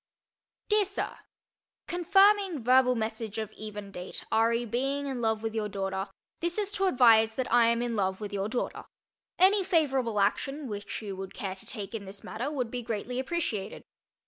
DEAR SIR: Confirming verbal message of even date re: being in love with your daughter, this is to advise that I am in love with your daughter. Any favorable action which you would care to take in this matter would be greatly appreciated.